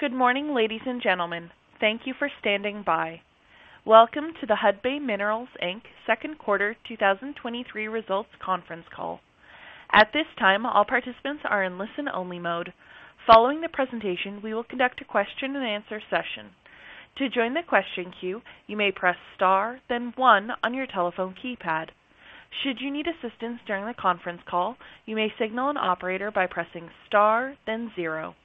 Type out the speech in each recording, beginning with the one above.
Good morning, ladies and gentlemen. Thank you for standing by. Welcome to the Hudbay Minerals Inc.'s second quarter, 2023 results conference call. At this time, all participants are in listen-only mode. Following the presentation, we will conduct a question and answer session. To join the question queue, you may press star then 1 on your telephone keypad. Should you need assistance during the conference call, you may signal an operator by pressing star then 0.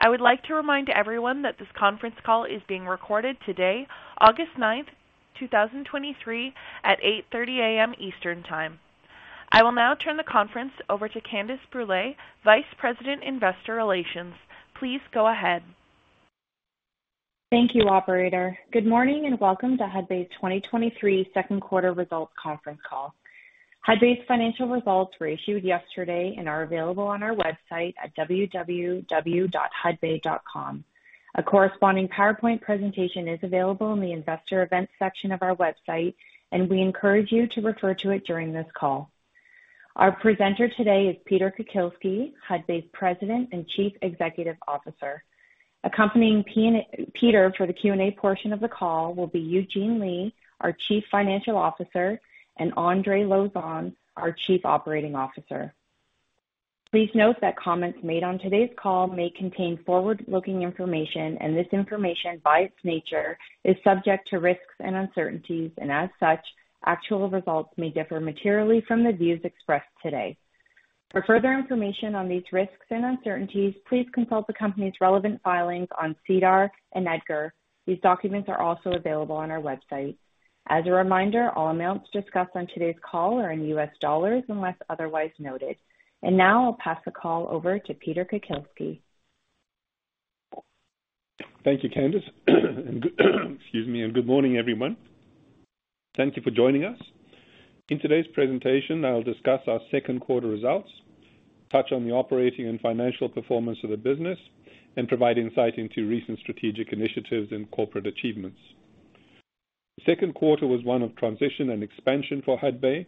I would like to remind everyone that this conference call is being recorded today, August 9, 2023, at 8:30 A.M. Eastern Time. I will now turn the conference over to Candace Brulé, Vice President, Investor Relations. Please go ahead. Thank you, operator. Good morning, and welcome to Hudbay's 2023 second-quarter results conference call. Hudbay's financial results were issued yesterday and are available on our website at www.hudbay.com. A corresponding PowerPoint presentation is available in the Investor Events section of our website, and we encourage you to refer to it during this call. Our presenter today is Peter Kukielski, Hudbay's President and Chief Executive Officer. Accompanying Peter for the Q&A portion of the call will be Eugene Lei, our Chief Financial Officer, and Andre Lauzon, our Chief Operating Officer. Please note that comments made on today's call may contain forward-looking information, and this information, by its nature, is subject to risks and uncertainties, and as such, actual results may differ materially from the views expressed today. For further information on these risks and uncertainties, please consult the company's relevant filings on SEDAR and EDGAR. These documents are also available on our website. As a reminder, all amounts discussed on today's call are in US dollars unless otherwise noted. Now I'll pass the call over to Peter Kukielski. Thank you, Candace Brulé. Excuse me. Good morning, everyone. Thank you for joining us. In today's presentation, I will discuss our second quarter results, touch on the operating and financial performance of the business, and provide insight into recent strategic initiatives and corporate achievements. The second quarter was one of transition and expansion for Hudbay.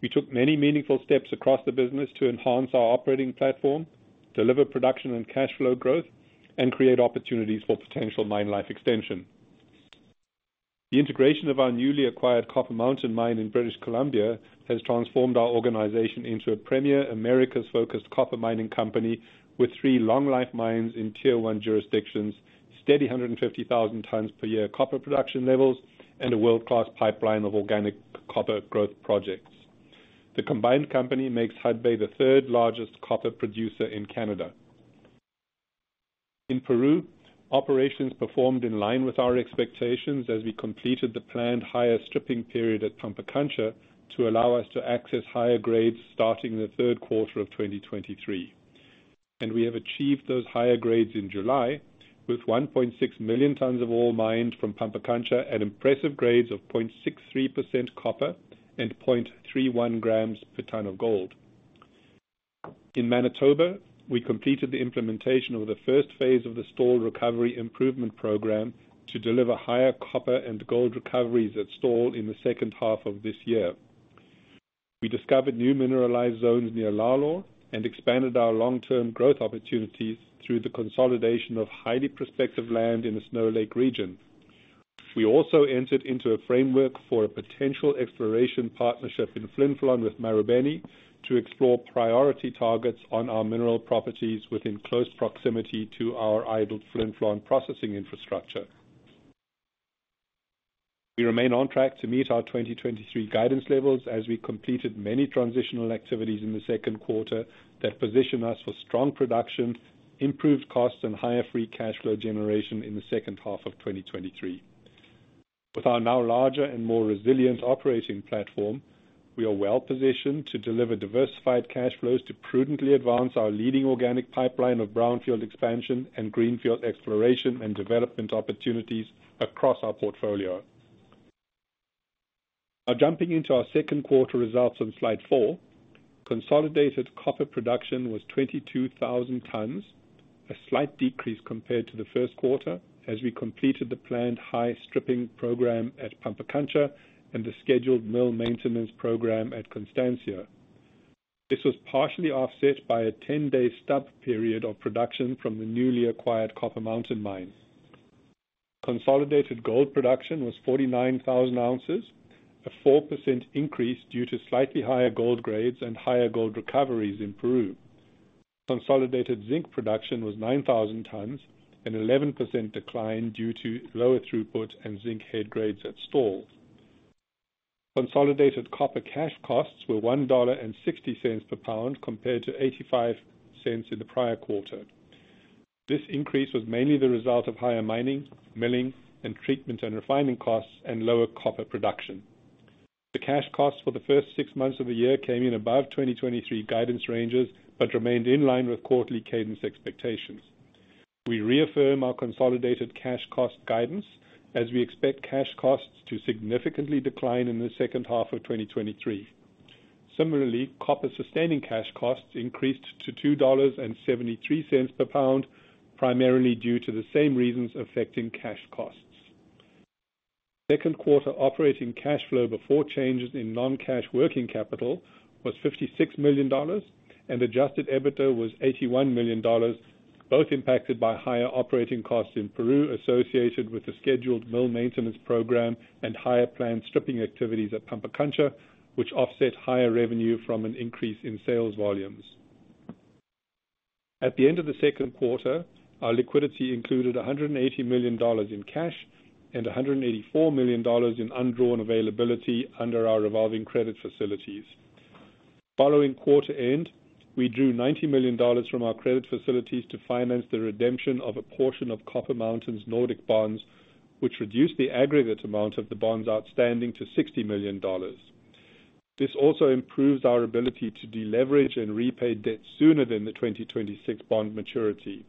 We took many meaningful steps across the business to enhance our operating platform, deliver production and cash flow growth, and create opportunities for potential mine life extension. The integration of our newly acquired Copper Mountain mine in British Columbia has transformed our organization into a premier Americas-focused copper mining company with three long-life mines in Tier One jurisdictions, steady 150,000 tons per year copper production levels, and a world-class pipeline of organic copper growth projects. The combined company makes Hudbay the third-largest copper producer in Canada. In Peru, operations performed in line with our expectations as we completed the planned higher stripping period at Pampacancha to allow us to access higher grades starting in the third quarter of 2023. We have achieved those higher grades in July, with 1.6 million tons of ore mined from Pampacancha at impressive grades of 0.63% copper and 0.31 grams per ton of gold. In Manitoba, we completed the implementation of the first phase of the Stall recovery improvement program to deliver higher copper and gold recoveries at Stall in the second half of this year. We discovered new mineralized zones near Lalor and expanded our long-term growth opportunities through the consolidation of highly prospective land in the Snow Lake region. We also entered into a framework for a potential exploration partnership in Flin Flon with Marubeni to explore priority targets on our mineral properties within close proximity to our idled Flin Flon processing infrastructure. We remain on track to meet our 2023 guidance levels as we completed many transitional activities in the second quarter that position us for strong production, improved costs, and higher free cash flow generation in the second half of 2023. With our now larger and more resilient operating platform, we are well-positioned to deliver diversified cash flows to prudently advance our leading organic pipeline of brownfield expansion and greenfield exploration and development opportunities across our portfolio. Jumping into our second quarter results on slide 4, consolidated copper production was 22,000 tons, a slight decrease compared to the first quarter, as we completed the planned high stripping program at Pampacancha and the scheduled mill maintenance program at Constancia. This was partially offset by a 10-day stop period of production from the newly acquired Copper Mountain mine. Consolidated gold production was 49,000 ounces, a 4% increase due to slightly higher gold grades and higher gold recoveries in Peru. Consolidated zinc production was 9,000 tons, an 11% decline due to lower throughput and zinc head grades at Stall. Consolidated copper cash costs were $1.60 per lb, compared to $0.85 in the prior quarter. This increase was mainly the result of higher mining, milling, and treatment and refining costs, and lower copper production. The cash costs for the first 6 months of the year came in above 2023 guidance ranges, but remained in line with quarterly cadence expectations. We reaffirm our consolidated cash cost guidance as we expect cash costs to significantly decline in the second half of 2023. Similarly, copper sustaining cash costs increased to $2.73 per lb, primarily due to the same reasons affecting cash costs. Second quarter operating cash flow before changes in non-cash working capital was $56 million, and adjusted EBITDA was $81 million, both impacted by higher operating costs in Peru, associated with the scheduled mill maintenance program and higher planned stripping activities at Pampacancha, which offset higher revenue from an increase in sales volumes. At the end of the second quarter, our liquidity included $180 million in cash and $184 million in undrawn availability under our revolving credit facilities. Following quarter end, we drew $90 million from our credit facilities to finance the redemption of a portion of Copper Mountain's Nordic Bonds, which reduced the aggregate amount of the bonds outstanding to $60 million. This also improves our ability to deleverage and repay debt sooner than the 2026 bond maturity.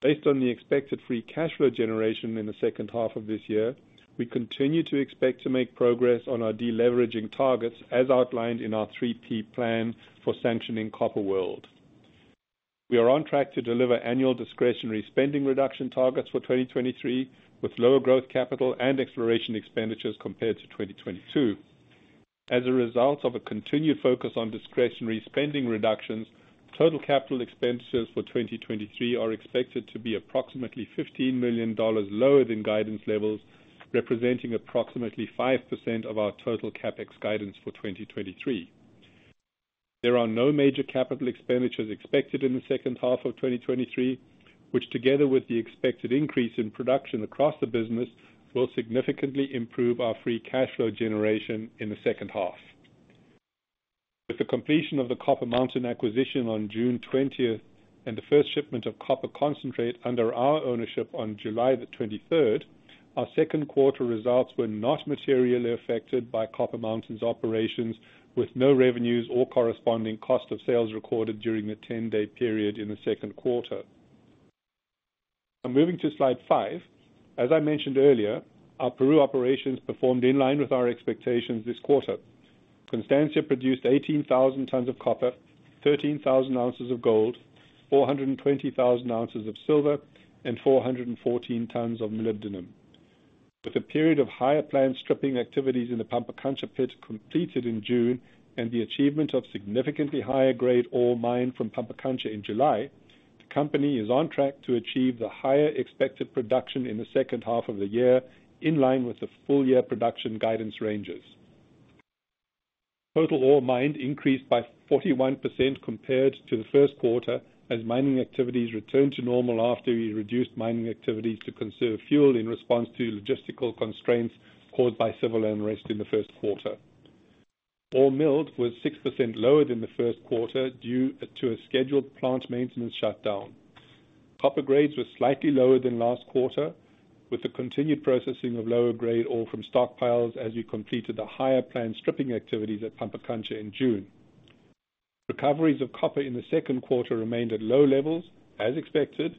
Based on the expected free cash flow generation in the second half of this year, we continue to expect to make progress on our deleveraging targets, as outlined in our 3P plan for sanctioning Copper World. We are on track to deliver annual discretionary spending reduction targets for 2023, with lower growth capital and exploration expenditures compared to 2022. As a result of a continued focus on discretionary spending reductions, total capital expenses for 2023 are expected to be approximately $15 million lower than guidance levels, representing approximately 5% of our total CapEx guidance for 2023. There are no major capital expenditures expected in the second half of 2023, which, together with the expected increase in production across the business, will significantly improve our free cash flow generation in the second half. With the completion of the Copper Mountain acquisition on June 20th, and the first shipment of copper concentrate under our ownership on July 23rd, our second quarter results were not materially affected by Copper Mountain's operations, with no revenues or corresponding cost of sales recorded during the 10-day period in the second quarter. Moving to slide 5. As I mentioned earlier, our Peru operations performed in line with our expectations this quarter. Constancia produced 18,000 tons of copper, 13,000 ounces of gold, 420,000 ounces of silver, and 414 tons of molybdenum. With a period of higher planned stripping activities in the Pampacancha pit completed in June, and the achievement of significantly higher-grade ore mined from Pampacancha in July, the company is on track to achieve the higher expected production in the second half of the year, in line with the full-year production guidance ranges. Total ore mined increased by 41% compared to the first quarter, as mining activities returned to normal after we reduced mining activities to conserve fuel in response to logistical constraints caused by civil unrest in the first quarter. Ore milled was 6% lower than the first quarter due to a scheduled plant maintenance shutdown. Copper grades were slightly lower than last quarter, with the continued processing of lower-grade ore from stockpiles as we completed the higher planned stripping activities at Pampacancha in June. Recoveries of copper in the second quarter remained at low levels, as expected,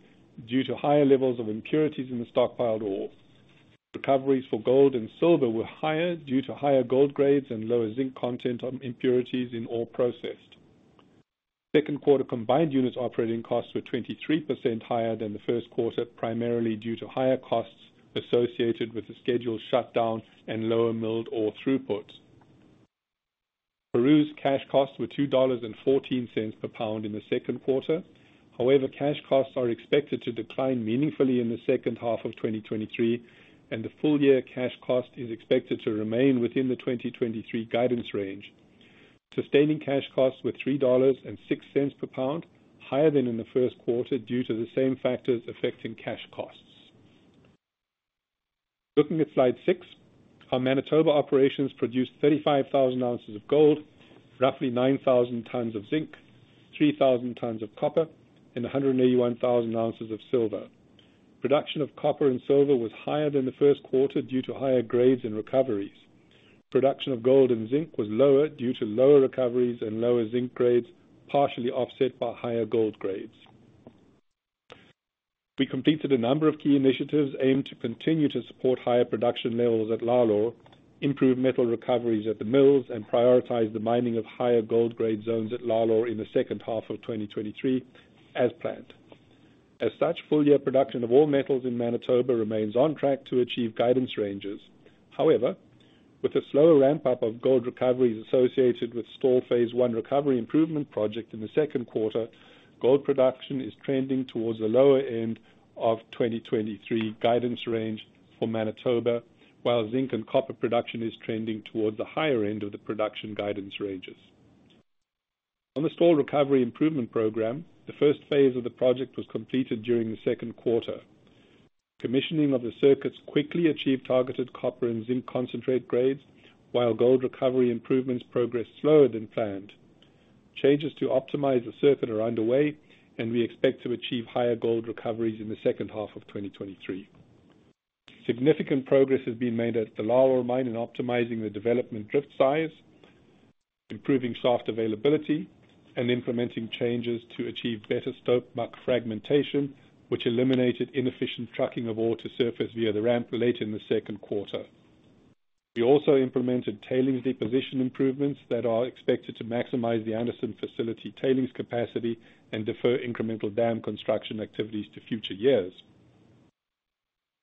due to higher levels of impurities in the stockpiled ore. Recoveries for gold and silver were higher due to higher gold grades and lower zinc content on impurities in ore processed. Second quarter combined units operating costs were 23% higher than the first quarter, primarily due to higher costs associated with the scheduled shutdown and lower milled ore throughput. Peru's cash costs were $2.14 per lb in the second quarter. However, cash costs are expected to decline meaningfully in the second half of 2023, and the full-year cash cost is expected to remain within the 2023 guidance range. Sustaining cash costs were $3.06 per lb, higher than in the first quarter, due to the same factors affecting cash costs. Looking at slide 6, our Manitoba operations produced 35,000 ounces of gold, roughly 9,000 tons of zinc, 3,000 tons of copper, and 181,000 ounces of silver. Production of copper and silver was higher than the first quarter due to higher grades and recoveries. Production of gold and zinc was lower due to lower recoveries and lower zinc grades, partially offset by higher gold grades. We completed a number of key initiatives aimed to continue to support higher production levels at Lalor, improve metal recoveries at the mills, and prioritize the mining of higher gold grade zones at Lalor in the second half of 2023, as planned. As such, full year production of all metals in Manitoba remains on track to achieve guidance ranges. However, with a slower ramp-up of gold recoveries associated with Stall phase I recovery improvement project in the second quarter, gold production is trending towards the lower end of 2023 guidance range for Manitoba, while zinc and copper production is trending towards the higher end of the production guidance ranges. On the Stall recovery improvement program, the first phase of the project was completed during the second quarter. Commissioning of the circuits quickly achieved targeted copper and zinc concentrate grades, while gold recovery improvements progressed slower than planned. Changes to optimize the circuit are underway. We expect to achieve higher gold recoveries in the second half of 2023. Significant progress has been made at the Lalor mine in optimizing the development drift size, improving soft availability, and implementing changes to achieve better stope muck fragmentation, which eliminated inefficient trucking of ore to surface via the ramp late in the second quarter. We also implemented tailings deposition improvements that are expected to maximize the Anderson facility tailings capacity and defer incremental dam construction activities to future years.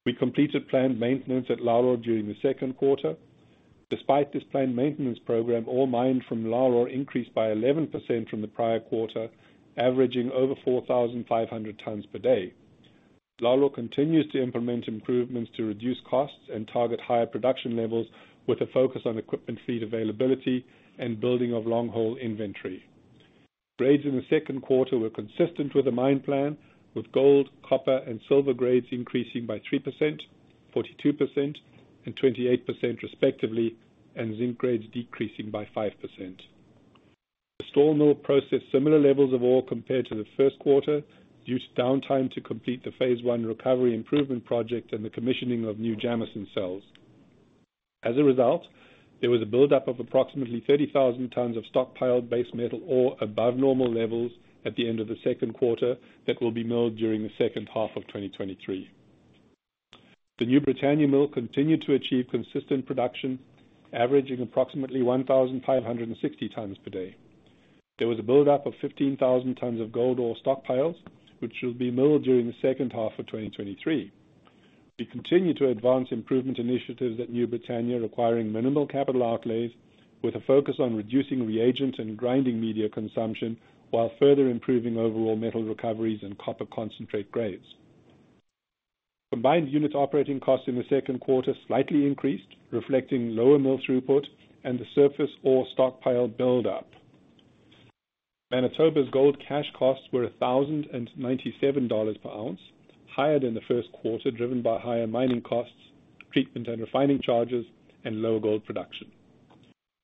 We completed planned maintenance at Lalor during the second quarter. Despite this planned maintenance program, ore mined from Lalor increased by 11% from the prior quarter, averaging over 4,500 tons per day. Lalor continues to implement improvements to reduce costs and target higher production levels, with a focus on equipment feed availability and building of long-haul inventory. Grades in the second quarter were consistent with the mine plan, with gold, copper, and silver grades increasing by 3%, 42%, and 28% respectively, and zinc grades decreasing by 5%. The Stall mill processed similar levels of ore compared to the first quarter, due to downtime to complete the phase I recovery improvement project and the commissioning of new Jameson Cells. As a result, there was a buildup of approximately 30,000 tons of stockpiled base metal ore above normal levels at the end of the second quarter, that will be milled during the second half of 2023. The New Britannia Mill continued to achieve consistent production, averaging approximately 1,560 times per day. There was a buildup of 15,000 tons of gold ore stockpiles, which will be milled during the second half of 2023. We continue to advance improvement initiatives at New Britannia, requiring minimal capital outlays, with a focus on reducing reagents and grinding media consumption, while further improving overall metal recoveries and copper concentrate grades. Combined unit operating costs in the second quarter slightly increased, reflecting lower mill throughput and the surface ore stockpile buildup. Manitoba's gold cash costs were $1,097 per ounce, higher than the first quarter, driven by higher mining costs, treatment and refining charges, and lower gold production.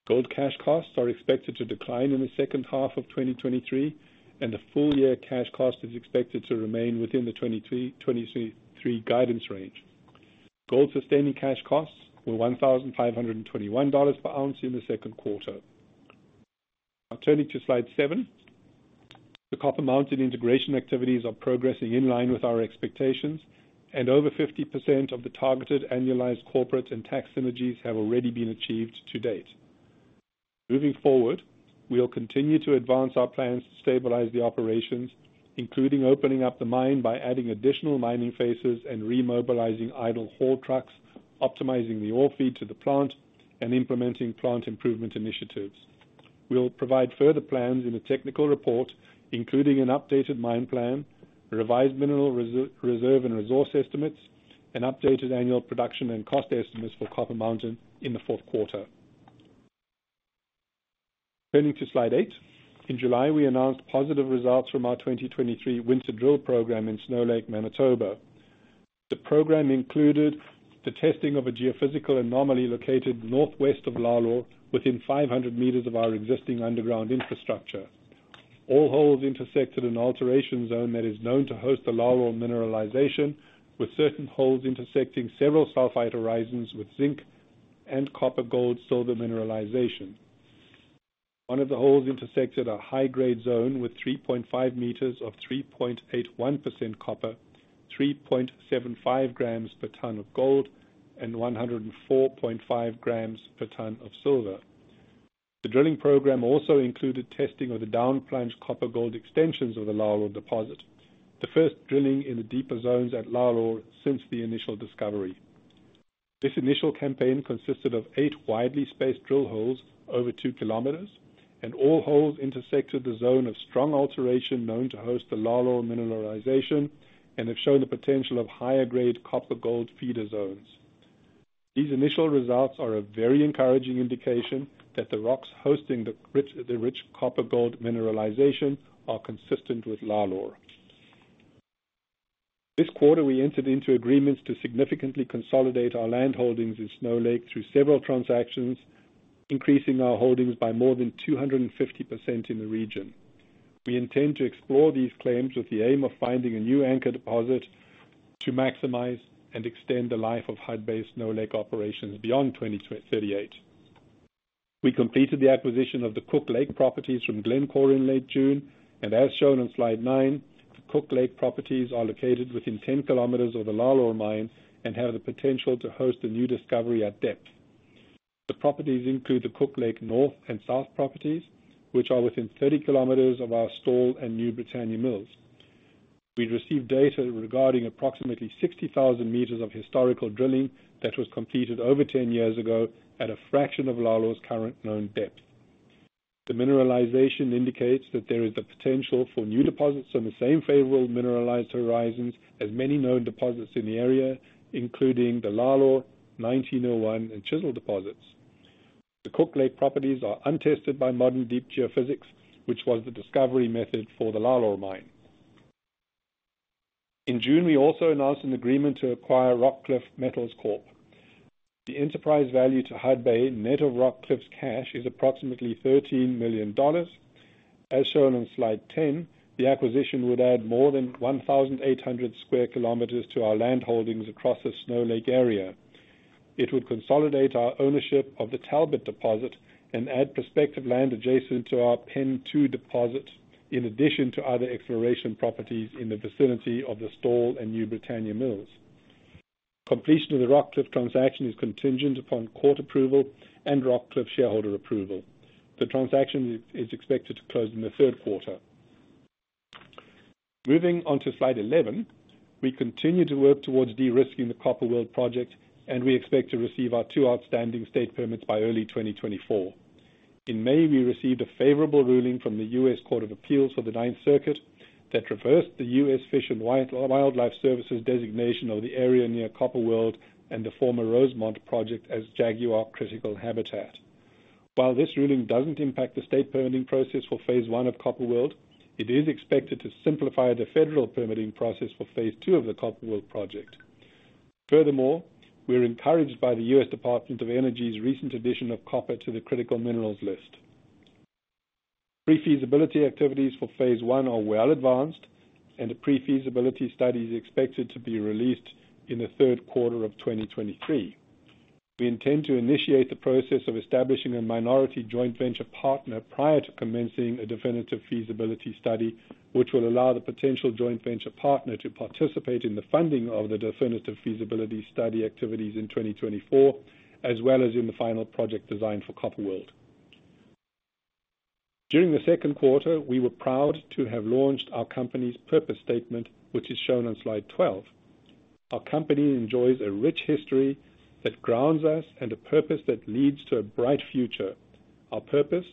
Gold cash costs are expected to decline in the second half of 2023, and the full year cash cost is expected to remain within the 2022-2023 guidance range. Gold sustaining cash costs were $1,521 per ounce in the second quarter. Now, turning to slide seven. The Copper Mountain integration activities are progressing in line with our expectations, and over 50% of the targeted annualized corporate and tax synergies have already been achieved to date. Moving forward, we will continue to advance our plans to stabilize the operations, including opening up the mine by adding additional mining phases and remobilizing idle haul trucks, optimizing the ore feed to the plant, and implementing plant improvement initiatives. We'll provide further plans in a technical report, including an updated mine plan, revised mineral reserve and resource estimates, and updated annual production and cost estimates for Copper Mountain in the fourth quarter. Turning to slide eight. In July, we announced positive results from our 2023 winter drill program in Snow Lake, Manitoba. The program included the testing of a geophysical anomaly located northwest of Lalor, within 500 meters of our existing underground infrastructure. All holes intersected an alteration zone that is known to host the Lalor mineralization, with certain holes intersecting several sulfide horizons with zinc and copper, gold, silver mineralization. One of the holes intersected a high-grade zone with 3.5 meters of 3.81% copper, 3.75 grams per ton of gold, and 104.5 grams per ton of silver. The drilling program also included testing of the downplunge copper gold extensions of the Lalor deposit, the first drilling in the deeper zones at Lalor since the initial discovery. This initial campaign consisted of 8 widely spaced drill holes over 2 km, all holes intersected the zone of strong alteration known to host the Lalor mineralization and have shown the potential of higher-grade copper gold feeder zones. These initial results are a very encouraging indication that the rocks hosting the rich, the rich copper gold mineralization are consistent with Lalor. This quarter, we entered into agreements to significantly consolidate our land holdings in Snow Lake through several transactions, increasing our holdings by more than 250% in the region. We intend to explore these claims with the aim of finding a new anchor deposit to maximize and extend the life of Hudbay's Snow Lake operations beyond 2038. We completed the acquisition of the Cook Lake properties from Glencore in late June. As shown on Slide 9, the Cook Lake properties are located within 10 km of the Lalor mine and have the potential to host a new discovery at depth. The properties include the Cook Lake North and South properties, which are within 30 km of our Stall and New Britannia mills. We've received data regarding approximately 60,000 meters of historical drilling that was completed over 10 years ago at a fraction of Lalor's current known depth. The mineralization indicates that there is the potential for new deposits on the same favorable mineralized horizons as many known deposits in the area, including the Lalor, 1901, and Chisel deposits. The Cook Lake properties are untested by modern deep geophysics, which was the discovery method for the Lalor mine. In June, we also announced an agreement to acquire Rockcliff Metals Corp. The enterprise value to Hudbay, net of Rockcliff's cash, is approximately $13 million. As shown on slide 10, the acquisition would add more than 1,800 sq km to our land holdings across the Snow Lake area. It would consolidate our ownership of the Talbot deposit and add prospective land adjacent to our Pen II deposit, in addition to other exploration properties in the vicinity of the Stall and New Britannia mills. completion of the Rockcliff transaction is contingent upon court approval and Rockcliff shareholder approval. The transaction is expected to close in the third quarter. Moving on to slide 11, we continue to work towards de-risking the Copper World project, and we expect to receive our two outstanding state permits by early 2024. In May, we received a favorable ruling from the US Court of Appeals for the Ninth Circuit that reversed the US Fish and Wildlife Service designation of the area near Copper World and the former Rosemont project as Jaguar Critical Habitat. While this ruling doesn't impact the state permitting process for phase one of Copper World, it is expected to simplify the federal permitting process for phase two of the Copper World project. Furthermore, we're encouraged by the US Department of Energy's recent addition of copper to the critical materials list. Pre-feasibility activities for phase one are well advanced, and a pre-feasibility study is expected to be released in the third quarter of 2023. We intend to initiate the process of establishing a minority joint venture partner prior to commencing a definitive feasibility study, which will allow the potential joint venture partner to participate in the funding of the definitive feasibility study activities in 2024, as well as in the final project design for Copper World. During the second quarter, we were proud to have launched our company's purpose statement, which is shown on slide 12. Our company enjoys a rich history that grounds us and a purpose that leads to a bright future. Our purpose,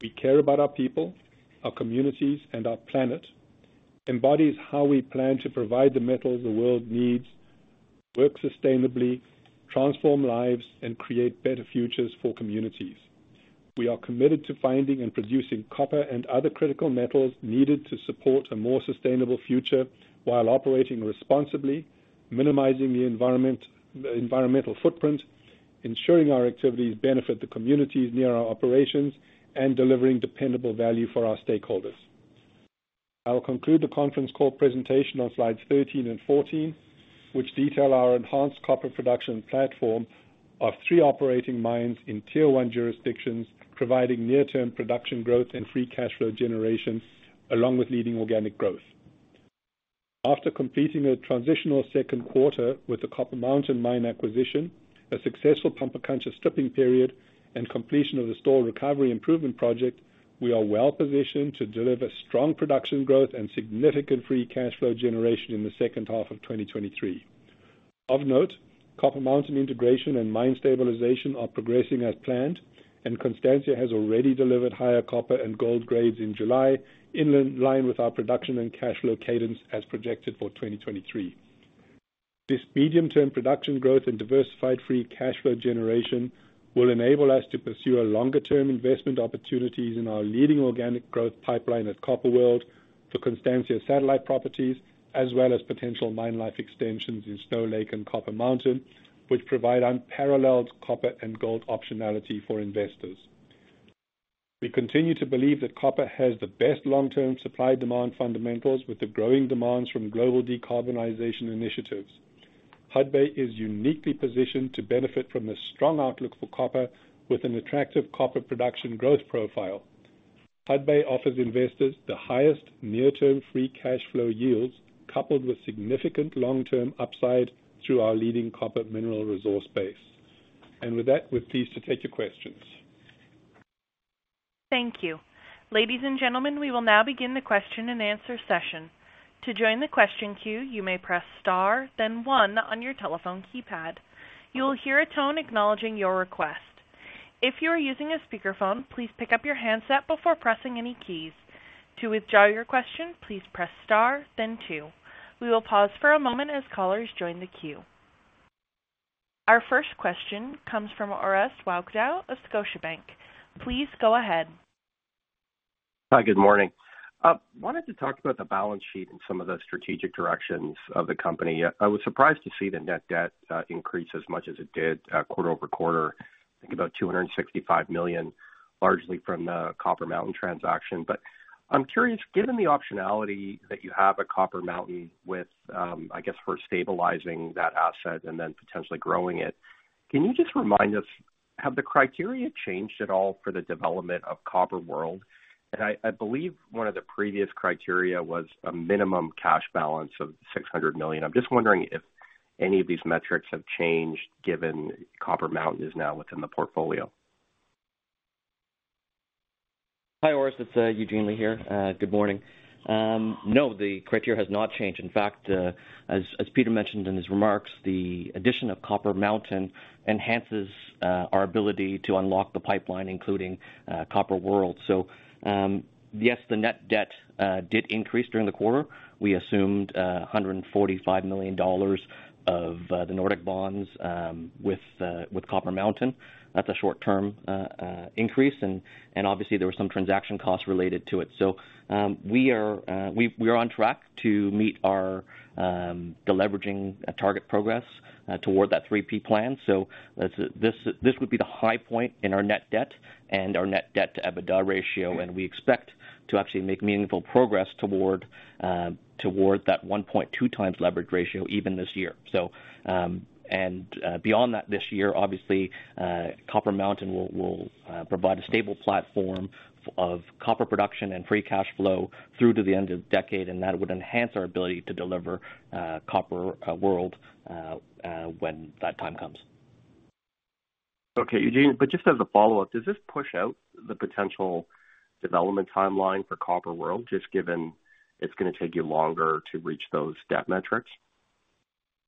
we care about our people, our communities, and our planet, embodies how we plan to provide the metals the world needs, work sustainably, transform lives, and create better futures for communities. We are committed to finding and producing copper and other critical metals needed to support a more sustainable future while operating responsibly, minimizing environmental footprint, ensuring our activities benefit the communities near our operations, and delivering dependable value for our stakeholders. I will conclude the conference call presentation on slides 13 and 14, which detail our enhanced copper production platform of three operating mines in Tier One jurisdictions, providing near-term production growth and free cash flow generation, along with leading organic growth. After completing a transitional second quarter with the Copper Mountain mine acquisition, a successful Pampacancha stripping period, and completion of the store recovery improvement project, we are well positioned to deliver strong production growth and significant free cash flow generation in the second half of 2023. Of note, Copper Mountain integration and mine stabilization are progressing as planned. Constancia has already delivered higher copper and gold grades in July, in line with our production and cash flow cadence as projected for 2023. This medium-term production growth and diversified free cash flow generation will enable us to pursue our longer-term investment opportunities in our leading organic growth pipeline at Copper World for Constancia satellite properties, as well as potential mine life extensions in Snow Lake and Copper Mountain, which provide unparalleled copper and gold optionality for investors. We continue to believe that copper has the best long-term supply-demand fundamentals, with the growing demands from global decarbonization initiatives. Hudbay is uniquely positioned to benefit from the strong outlook for copper with an attractive copper production growth profile. Hudbay offers investors the highest near-term free cash flow yields, coupled with significant long-term upside through our leading copper mineral resource base. With that, we're pleased to take your questions. Thank you. Ladies and gentlemen, we will now begin the question-and-answer session. To join the question queue, you may press star then one on your telephone keypad. You will hear a tone acknowledging your request. If you are using a speakerphone, please pick up your handset before pressing any keys. To withdraw your question, please press star then two. We will pause for a moment as callers join the queue. Our first question comes from Orest Wowkodaw of Scotiabank. Please go ahead. Hi, good morning. Wanted to talk about the balance sheet and some of the strategic directions of the company. I was surprised to see the net debt increase as much as it did quarter-over-quarter, I think about $265 million, largely from the Copper Mountain transaction. I'm curious, given the optionality that you have at Copper Mountain with, I guess, for stabilizing that asset and then potentially growing it, can you just remind us, have the criteria changed at all for the development of Copper World? I, I believe one of the previous criteria was a minimum cash balance of $600 million. I'm just wondering if any of these metrics have changed, given Copper Mountain is now within the portfolio. Hi, Orest, it's Eugene Lei here. Good morning. The criteria has not changed. In fact, as Peter mentioned in his remarks, the addition of Copper Mountain enhances our ability to unlock the pipeline, including Copper World. Yes, the net debt did increase during the quarter. We assumed $145 million of the Nordic Bonds with Copper Mountain. That's a short-term increase, and obviously there were some transaction costs related to it. We are on track to meet our deleveraging target progress toward that 3P plan. This, this would be the high point in our net debt and our net debt to EBITDA ratio. We expect to actually make meaningful progress toward that 1.2 times leverage ratio even this year. Beyond that, this year, obviously, Copper Mountain will provide a stable platform of copper production and free cash flow through to the end of the decade. That would enhance our ability to deliver Copper World when that time comes. Okay, Eugene, just as a follow-up, does this push out the potential development timeline for Copper World, just given it's going to take you longer to reach those debt metrics?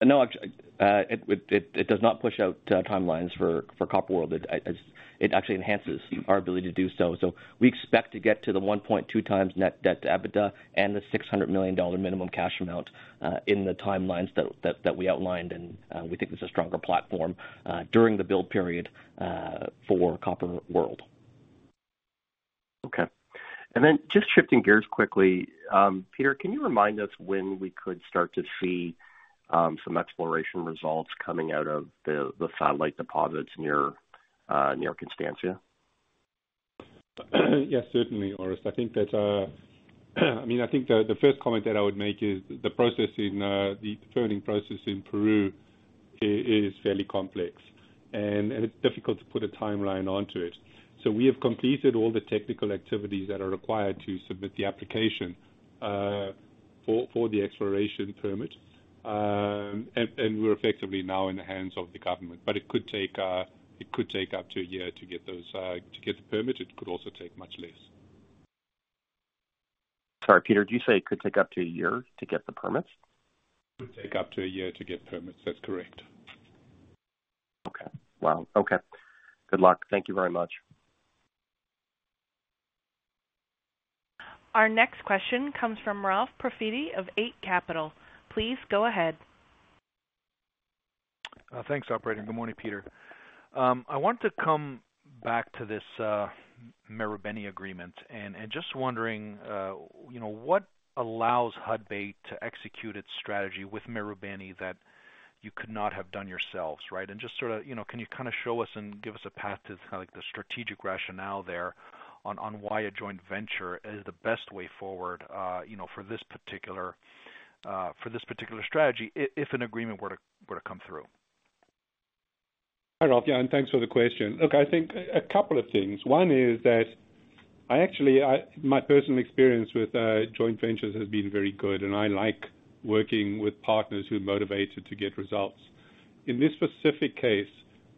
No, actually, it does not push out timelines for Copper World. It actually enhances our ability to do so. We expect to get to the 1.2x net debt to EBITDA and the $600 million minimum cash amount in the timelines that we outlined. We think it's a stronger platform during the build period for Copper World. Okay. Then just shifting gears quickly, Peter, can you remind us when we could start to see some exploration results coming out of the, the satellite deposits near, near Constancia? Yes, certainly, Orest. I think that, I mean, I think the, the first comment that I would make is the process in the permitting process in Peru is fairly complex, and it's difficult to put a timeline onto it. We have completed all the technical activities that are required to submit the application, for the exploration permit. We're effectively now in the hands of the government. It could take, it could take up to a year to get those, to get the permit. It could also take much less. Sorry, Peter, did you say it could take up to a year to get the permits? It could take up to 1 year to get permits, that's correct. Okay. Wow. Okay, good luck. Thank you very much. Our next question comes from Ralph Profiti of Eight Capital. Please go ahead. Thanks, operator. Good morning, Peter. I want to come back to this Marubeni agreement, and just wondering, you know, what allows Hudbay to execute its strategy with Marubeni that you could not have done yourselves, right? Just sort of, you know, can you kind of show us and give us a path to kind of like the strategic rationale there on, on why a joint venture is the best way forward, you know, for this particular, for this particular strategy, if an agreement were to come through? Hi, Ralph. Thanks for the question. Look, I think a couple of things. One is that I actually, I. My personal experience with joint ventures has been very good, and I like working with partners who are motivated to get results. In this specific case,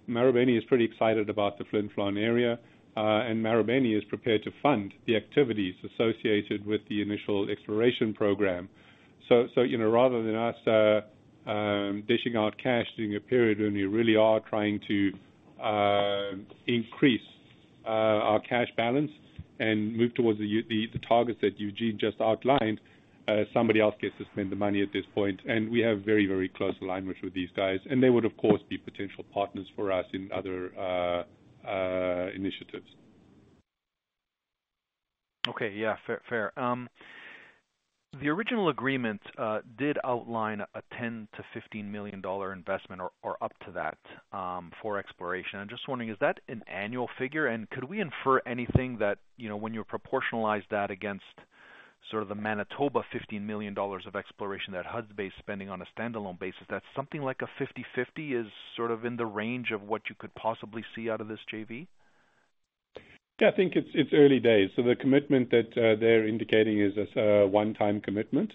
Marubeni is pretty excited about the Flin Flon area, and Marubeni is prepared to fund the activities associated with the initial exploration program. You know, rather than us dishing out cash during a period when we really are trying to increase our cash balance and move towards the targets that Eugene just outlined, somebody else gets to spend the money at this point. We have very, very close alignment with these guys, and they would, of course, be potential partners for us in other initiatives. Okay. Yeah, fair, fair. The original agreement did outline a $10 million-$15 million investment or, or up to that, for exploration. I'm just wondering, is that an annual figure? Could we infer anything that, you know, when you proportionalize that against sort of the Manitoba $15 million of exploration that Hudbay is spending on a standalone basis, that something like a 50/50 is sort of in the range of what you could possibly see out of this JV? Yeah, I think it's, it's early days, so the commitment that they're indicating is a one-time commitment.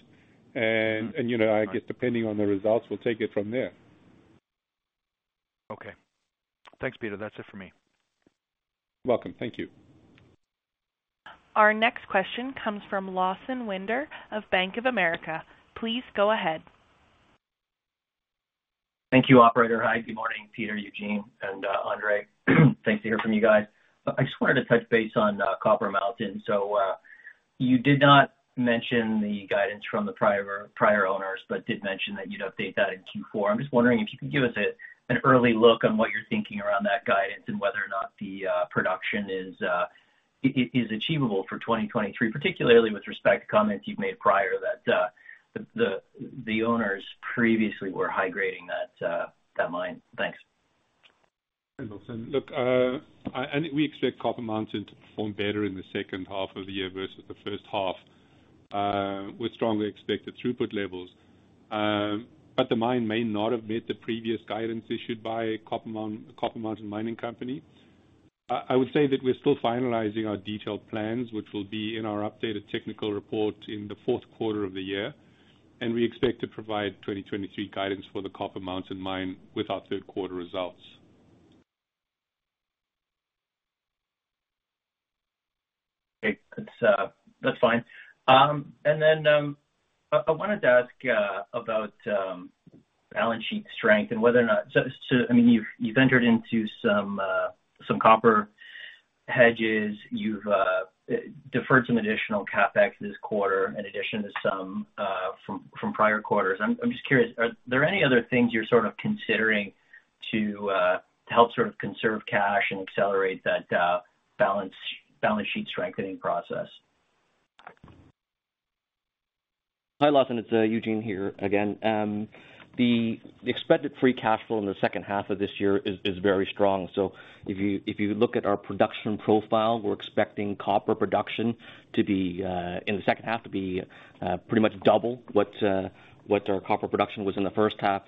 Mm-hmm. You know, I guess depending on the results, we'll take it from there. Okay. Thanks, Peter. That's it for me. Welcome. Thank you. Our next question comes from Lawson Winder of Bank of America. Please go ahead. Thank you, operator. Hi, good morning, Peter, Eugene, and Andre. Nice to hear from you guys. I just wanted to touch base on Copper Mountain. You did not mention the guidance from the prior, prior owners, but did mention that you'd update that in Q4. I'm just wondering if you could give us a, an early look on what you're thinking around that guidance and whether or not the production is achievable for 2023, particularly with respect to comments you've made prior, that the, the, the owners previously were high-grading that mine. Thanks. Hi, Lawson. Look, I, and we expect Copper Mountain to perform better in the second half of the year versus the first half with strongly expected throughput levels. The mine may not have met the previous guidance issued by Copper Mountain, Copper Mountain Mining Corporation. I would say that we're still finalizing our detailed plans, which will be in our updated technical report in the fourth quarter of the year, we expect to provide 2023 guidance for the Copper Mountain Mine with our third quarter results. Okay. That's, that's fine. Then, I, I wanted to ask about balance sheet strength and whether or not... Just to, I mean, you've, you've entered into some copper hedges. You've deferred some additional CapEx this quarter, in addition to some from, from prior quarters. I'm, I'm just curious, are there any other things you're sort of considering to to help sort of conserve cash and accelerate that balance, balance sheet strengthening process? Hi, Lawson, it's Eugene here again. The expected free cash flow in the second half of this year is very strong. If you look at our production profile, we're expecting copper production to be in the second half, to be pretty much double what our copper production was in the first half.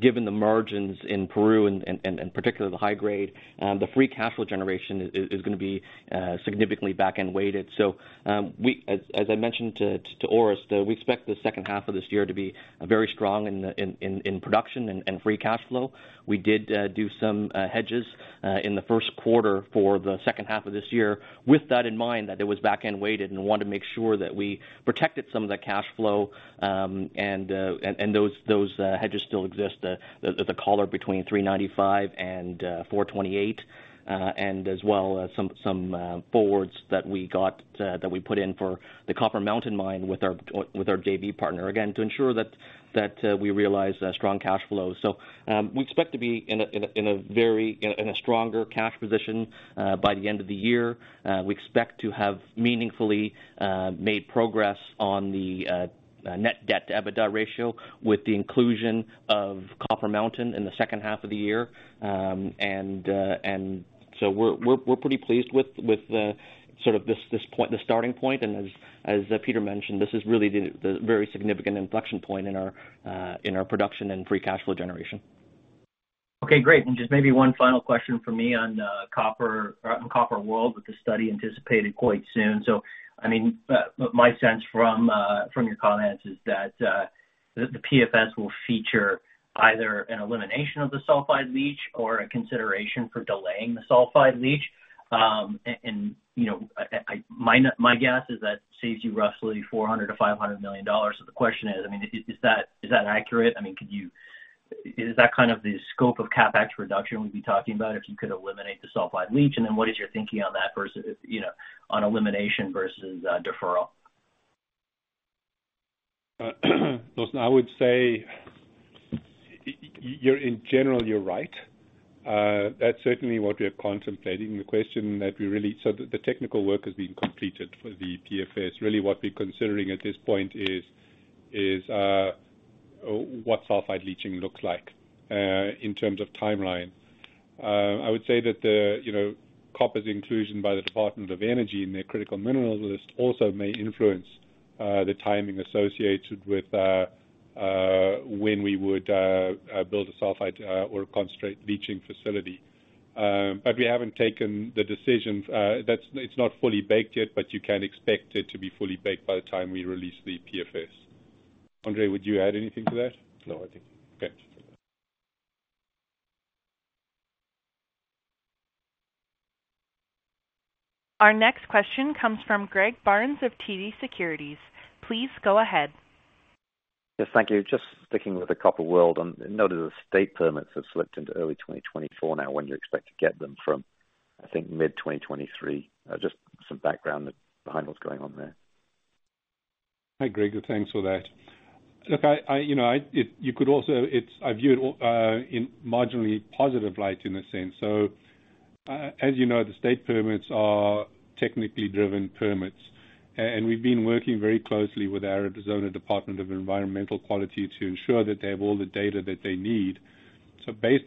Given the margins in Peru and particularly the high grade, the free cash flow generation is gonna be significantly back-end weighted. We, as I mentioned to Orest, we expect the second half of this year to be very strong in production and free cash flow. We did do some hedges in the first quarter for the second half of this year with that in mind, that it was back-end weighted, and wanted to make sure that we protected some of the cash flow. Those hedges still exist, the collar between $3.95 and $4.28, and as well as some forwards that we got that we put in for the Copper Mountain mine with our JV partner, again, to ensure that we realize strong cash flows. We expect to be in a very stronger cash position by the end of the year. We expect to have meaningfully made progress on the net debt to EBITDA ratio, with the inclusion of Copper Mountain in the second half of the year. We're pretty pleased with the, sort of this point, the starting point. As Peter mentioned, this is really the very significant inflection point in our production and free cash flow generation. Okay, great. Just maybe one final question for me on copper, on Copper World, with the study anticipated quite soon. My sense from your comments is that the PFS will feature either an elimination of the sulfide leach or a consideration for delaying the sulfide leach. And you know, my guess is that saves you roughly $400 million-$500 million. The question is, I mean, is that, is that accurate? I mean, could you-- is that kind of the scope of CapEx reduction we'd be talking about if you could eliminate the sulfide leach? Then what is your thinking on that versus, you know, on elimination versus deferral? Listen, I would say, you're, in general, you're right. That's certainly what we are contemplating. The question that we really, so the technical work has been completed for the PFS. Really, what we're considering at this point is what sulfide leaching looks like in terms of timeline. I would say that the, you know, copper's inclusion by the Department of Energy in their critical materials list also may influence the timing associated with when we would build a sulfide or a concentrate leaching facility. But we haven't taken the decisions, it's not fully baked yet, but you can expect it to be fully baked by the time we release the PFS. Andre, would you add anything to that? No, I think. Okay. Our next question comes from Greg Barnes of TD Securities. Please go ahead. Yes, thank you. Just sticking with the Copper World, on notice the state permits have slipped into early 2024 now. When do you expect to get them from, I think, mid 2023? Just some background behind what's going on there. Hi, Greg, thanks for that. Look, I, I, you know, I view it in marginally positive light, in a sense. As you know, the state permits are technically driven permits, and we've been working very closely with our Arizona Department of Environmental Quality to ensure that they have all the data that they need. Both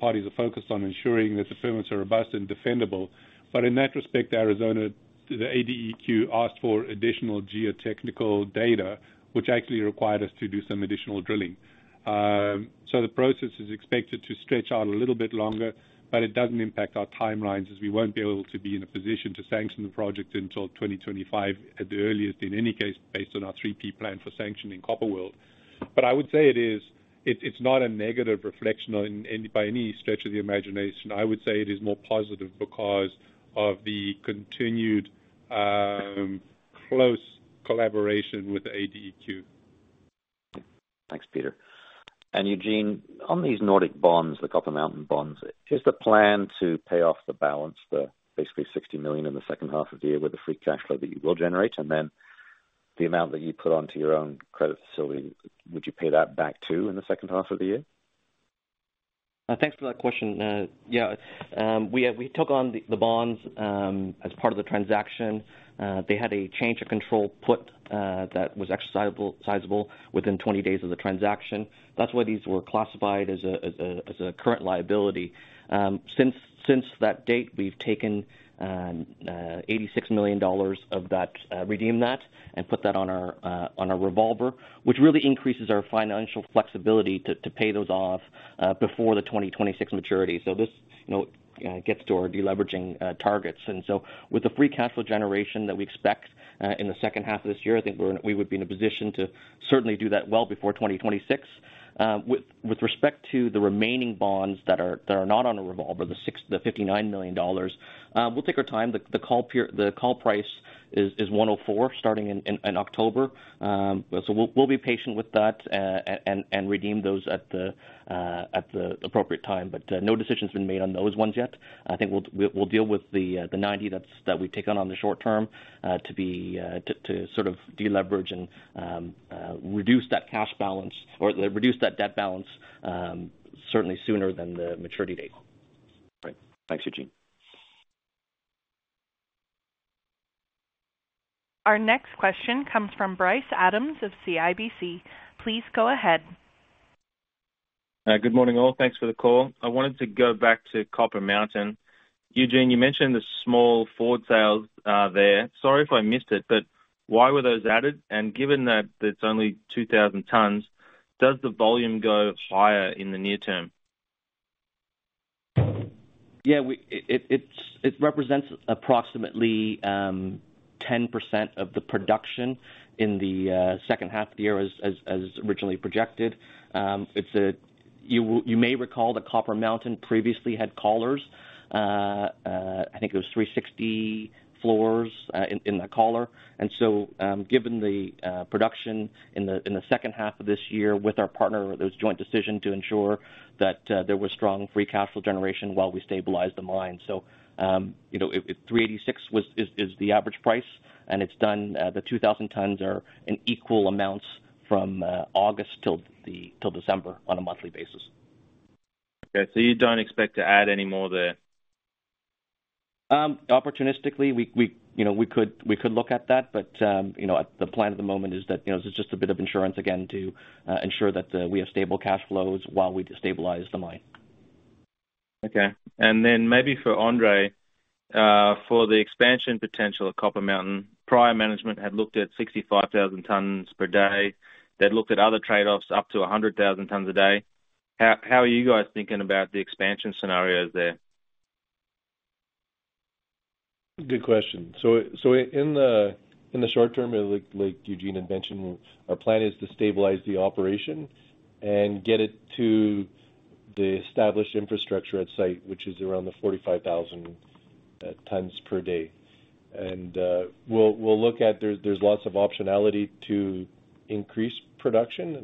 parties are focused on ensuring that the permits are robust and defendable. In that respect, Arizona, the ADEQ, asked for additional geotechnical data, which actually required us to do some additional drilling. The process is expected to stretch out a little bit longer, but it doesn't impact our timelines, as we won't be able to be in a position to sanction the project until 2025, at the earliest, in any case, based on our 3P plan for sanctioning Copper World. I would say it is, it, it's not a negative reflection on any, by any stretch of the imagination. I would say it is more positive because of the continued, close collaboration with the ADEQ. Thanks, Peter. Eugene, on these Nordic Bonds, the Copper Mountain bonds, is the plan to pay off the balance, the basically $60 million in the second half of the year with the free cash flow that you will generate, and then the amount that you put onto your own credit facility, would you pay that back, too, in the second half of the year? Thanks for that question. Yeah, we, we took on the, the bonds as part of the transaction. They had a change of control put that was exercisable, sizable within 20 days of the transaction. That's why these were classified as a, as a, as a current liability. Since, since that date, we've taken $86 million of that, redeemed that, and put that on our revolver, which really increases our financial flexibility to pay those off before the 2026 maturity. This, you know, gets to our deleveraging targets. With the free cash flow generation that we expect in the second half of this year, I think we're, we would be in a position to certainly do that well before 2026. With, with respect to the remaining bonds that are, that are not on a revolver, the $59 million, we'll take our time. The, the call price is, is 104, starting in, in, in October. We'll, we'll be patient with that, and, and, redeem those at the appropriate time. No decision's been made on those ones yet. I think we'll, we'll, we'll deal with the $90 that's, that we've taken on the short term, to be, to, to sort of deleverage and, reduce that cash balance or reduce that debt balance, certainly sooner than the maturity date. Great. Thanks, Eugene. Our next question comes from Bryce Adams of CIBC. Please go ahead. Good morning, all. Thanks for the call. I wanted to go back to Copper Mountain. Eugene, you mentioned the small forward sales there. Sorry if I missed it, but why were those added? Given that it's only 2,000 tons, does the volume go higher in the near term? Yeah, we, it, it, it's, it represents approximately 10% of the production in the second half of the year as, as, as originally projected. You may recall that Copper Mountain previously had collars. I think it was 360 floors in, in the collar. Given the production in the second half of this year with our partner, it was a joint decision to ensure that there was strong free cash flow generation while we stabilized the mine. You know, it, it, $3.86 was, is, is the average price, and it's done the 2,000 tons are in equal amounts from August till December on a monthly basis. Okay, you don't expect to add any more there? Opportunistically, we, we, you know, we could, we could look at that. You know, the plan at the moment is that, you know, this is just a bit of insurance, again, to ensure that, we have stable cash flows while we destabilize the mine. Okay. Then maybe for Andre, for the expansion potential of Copper Mountain, prior management had looked at 65,000 tons per day. They'd looked at other trade-offs, up to 100,000 tons a day. How, how are you guys thinking about the expansion scenarios there? Good question. In the short term, like Eugene had mentioned, our plan is to stabilize the operation and get it to the established infrastructure at site, which is around 45,000 tons per day. We'll look at, there's lots of optionality to increase production.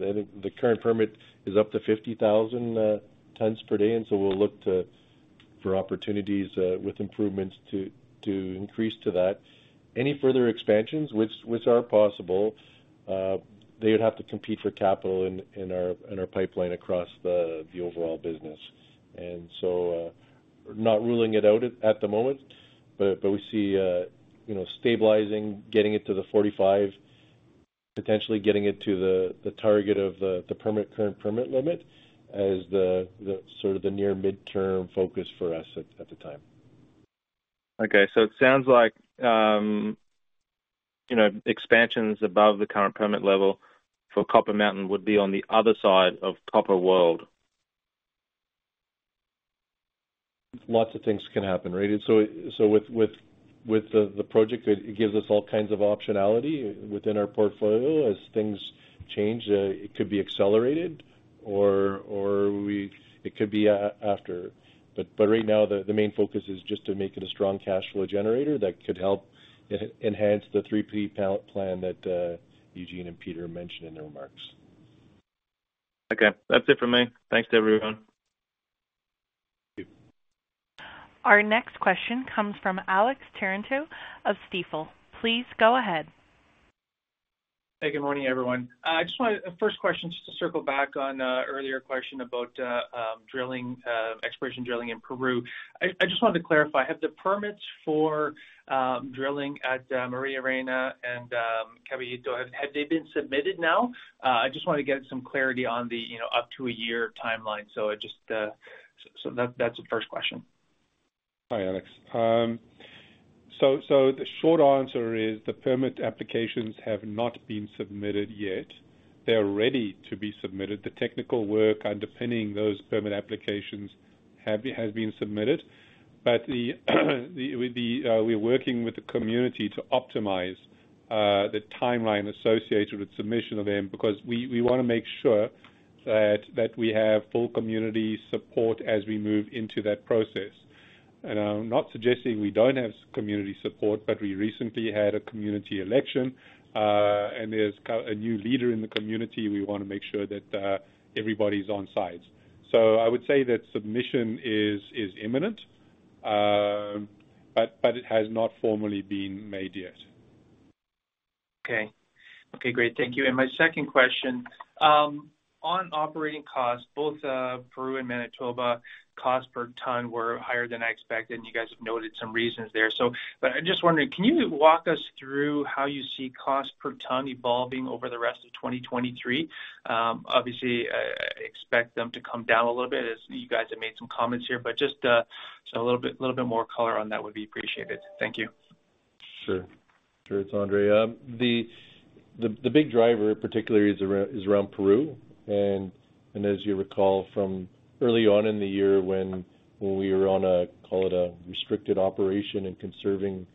The current permit is up to 50,000 tons per day, we'll look to, for opportunities with improvements to increase to that. Any further expansions, which are possible, they would have to compete for capital in our pipeline across the overall business. Not ruling it out at, at the moment, but, but we see, you know, stabilizing, getting it to the 45, potentially getting it to the, the target of, the permit, current permit limit as the, the sort of the near midterm focus for us at, at the time. Okay, it sounds like, you know, expansions above the current permit level for Copper Mountain would be on the other side of Copper World. Lots of things can happen, right? With the project, it gives us all kinds of optionality within our portfolio. As things change, it could be accelerated or it could be after. Right now, the main focus is just to make it a strong cash flow generator that could help enhance the three P plan that Eugene and Peter mentioned in their remarks. Okay. That's it for me. Thanks to everyone. Thank you. Our next question comes from Alex Terentiew of Stifel. Please go ahead. Hey, good morning, everyone. The first question, just to circle back on a earlier question about drilling, exploration drilling in Peru. I just wanted to clarify, have the permits for drilling at Maria Reina and Caballito, have they been submitted now? I just wanted to get some clarity on the, you know, up to a 1 year timeline. That's the first question. Hi, Alex. The short answer is, the permit applications have not been submitted yet. They're ready to be submitted. The technical work underpinning those permit applications has been submitted. We're working with the community to optimize the timeline associated with submission of them, because we, we wanna make sure that, that we have full community support as we move into that process. I'm not suggesting we don't have community support, but we recently had a community election, and there's a new leader in the community. We wanna make sure that everybody's on sides. I would say that submission is imminent, but it has not formally been made yet. Okay. Okay, great. Thank you. My second question, on operating costs, both Peru and Manitoba, costs per ton were higher than I expected, and you guys have noted some reasons there. But I'm just wondering, can you walk us through how you see cost per ton evolving over the rest of 2023? Obviously, I, I expect them to come down a little bit, as you guys have made some comments here, but just, so a little bit, little bit more color on that would be appreciated. Thank you. Sure. Sure, it's Andre. The, the, the big driver particularly is around, is around Peru. As you recall from early on in the year when, when we were on a, call it a restricted operation and conserving,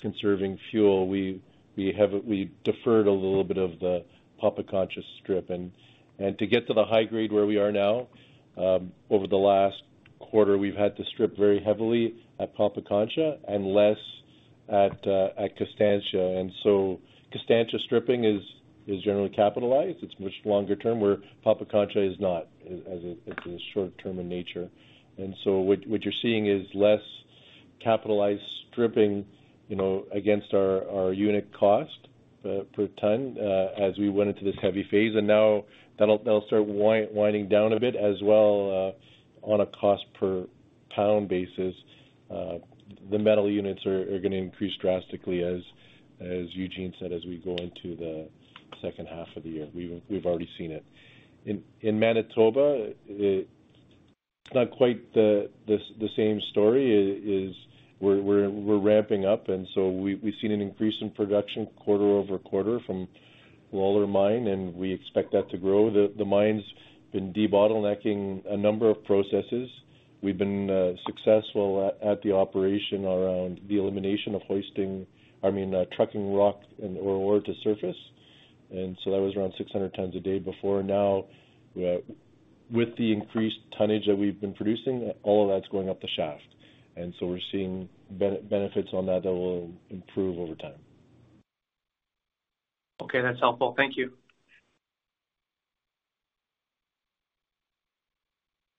conserving fuel, we, we have, we deferred a little bit of the Pampacancha strip. To get to the high grade where we are now, over the last quarter, we've had to strip very heavily at Pampacancha and less at Constancia. So Constancia stripping is, is generally capitalized. It's much longer term, where Pampacancha is not, as it, it's short term in nature. So what, what you're seeing is less-... capitalize stripping, you know, against our unit cost per ton as we went into this heavy phase, and now that'll start winding down a bit as well on a cost per lb basis. The metal units are gonna increase drastically, as Eugene said, as we go into the second half of the year. We've already seen it. In Manitoba, it's not quite the same story. It is-- we're ramping up, and so we've seen an increase in production quarter-over-quarter from Lalor Mine, and we expect that to grow. The mine's been debottlenecking a number of processes. We've been successful at the operation around the elimination of hoisting, I mean, trucking rock and or ore to surface. So that was around 600 tons a day before. Now, with the increased tonnage that we've been producing, all of that's going up the shaft, and so we're seeing benefits on that that will improve over time. Okay, that's helpful. Thank you.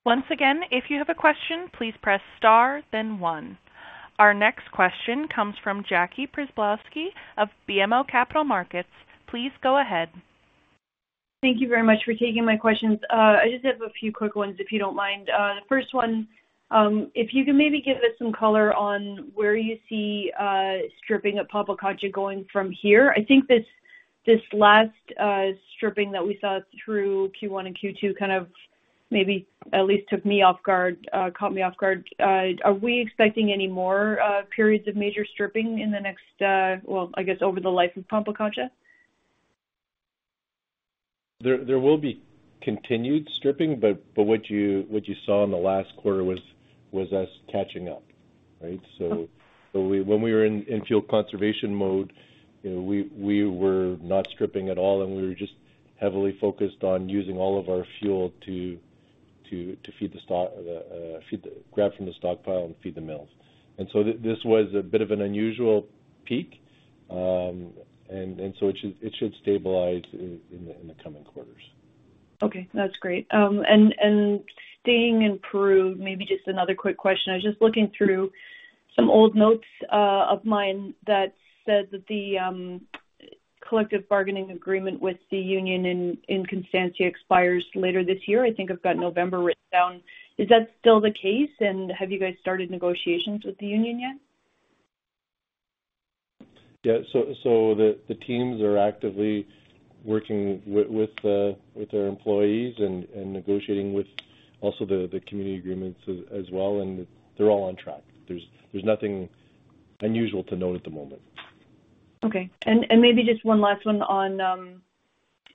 Once again, if you have a question, please press Star, then One. Our next question comes from Jackie Przybylowski of BMO Capital Markets. Please go ahead. Thank you very much for taking my questions. I just have a few quick ones, if you don't mind. The first one, if you can maybe give us some color on where you see stripping at Pampacancha going from here. I think this, this last stripping that we saw through Q1 and Q2 kind of maybe at least took me off guard, caught me off guard. Are we expecting any more periods of major stripping in the next, well, I guess, over the life of Pampacancha? There, there will be continued stripping, but what you, what you saw in the last quarter was, was us catching up, right? So we, when we were in infield conservation mode, you know, we, we were not stripping at all, and we were just heavily focused on using all of our fuel to, to, to feed the stock, feed the Grab from the stockpile and feed the mills. So this was a bit of an unusual peak, and so it should, it should stabilize in, in the, in the coming quarters. Okay, that's great. Staying in Peru, maybe just another quick question. I was just looking through some old notes of mine that said that the collective bargaining agreement with the union in Constancia expires later this year. I think I've got November written down. Is that still the case, and have you guys started negotiations with the union yet? Yeah, the teams are actively working with their employees and negotiating with also the community agreements as well, and they're all on track. There's nothing unusual to note at the moment. Okay. And maybe just one last one on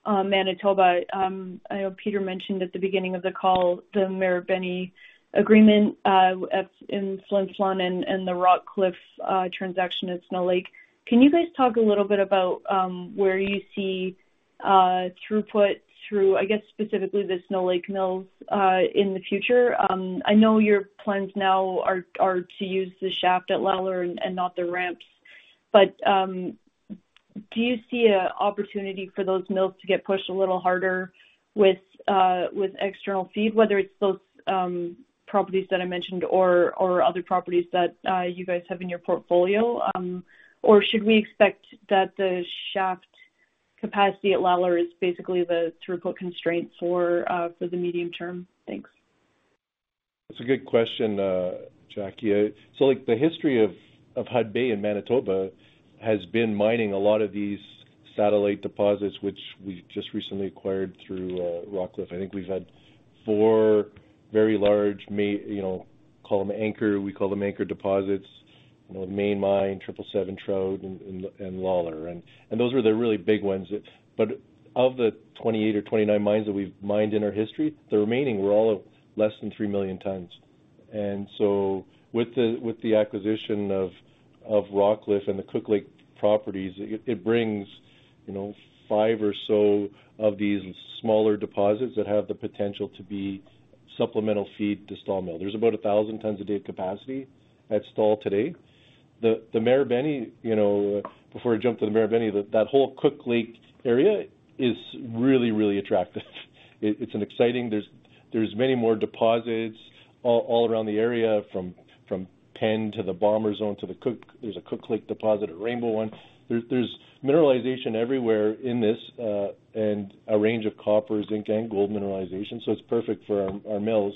Manitoba. I know Peter mentioned at the beginning of the call, the Marubeni agreement at Flin Flon and the Rockcliff transaction at Snow Lake. Can you guys talk a little bit about where you see throughput through, I guess, specifically the Snow Lake Mills in the future? I know your plans now are to use the shaft at Lalor and not the ramps, do you see a opportunity for those mills to get pushed a little harder with external feed, whether it's those properties that I mentioned or other properties that you guys have in your portfolio? Should we expect that the shaft capacity at Lalor is basically the throughput constraint for the medium term? Thanks. That's a good question, Jackie. Like, the history of Hudbay in Manitoba has been mining a lot of these satellite deposits, which we've just recently acquired through Rockcliff. I think we've had 4 very large you know, call them anchor, we call them anchor deposits. You know, the Main Mine, Triple Seven Trout, and Lalor. Those are the really big ones that... Of the 28 or 29 mines that we've mined in our history, the remaining were all less than 3 million tons. With the acquisition of Rockcliff and the Cook Lake properties, it brings, you know, 5 or so of these smaller deposits that have the potential to be supplemental feed to Stall mill. There's about 1,000 tons a day capacity at Stall today. The, the Marubeni, you know, before I jump to the Marubeni, that whole Cook Lake area is really, really attractive. It, it's an exciting... There's, there's many more deposits all, all around the area, from, from Pen to the Bomber zone to the Cook. There's a Cook Lake deposit, a Rainbow one. There's, there's mineralization everywhere in this, and a range of copper, zinc, and gold mineralization, so it's perfect for our, our mills.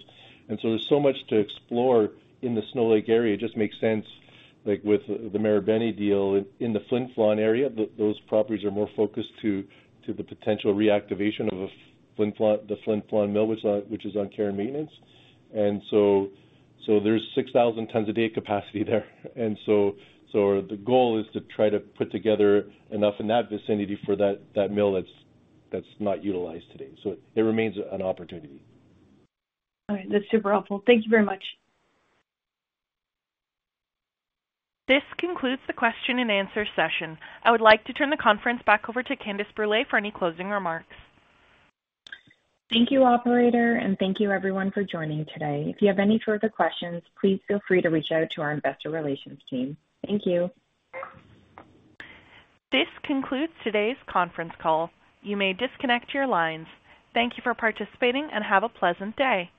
And so there's so much to explore in the Snow Lake area. It just makes sense, like with the Marubeni deal in the Flin Flon area, those properties are more focused to, to the potential reactivation of a Flin Flon, the Flin Flon mill, which is on, which is on care and maintenance. And so, so there's 6,000 tons a day capacity there. The goal is to try to put together enough in that vicinity for that mill that's not utilized today. It remains an opportunity. All right. That's super helpful. Thank you very much. This concludes the question and answer session. I would like to turn the conference back over to Candace Brûlé for any closing remarks. Thank you, operator, and thank you everyone for joining today. If you have any further questions, please feel free to reach out to our investor relations team. Thank you. This concludes today's conference call. You may disconnect your lines. Thank you for participating, have a pleasant day.